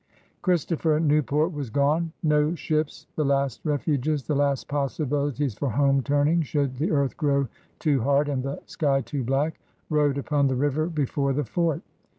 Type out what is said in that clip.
Christopher Newport was gone; no ships — the last refuges, the last possibilities for home turning, should the earth grow too hard and the sky too black — rode upon the river before the fort.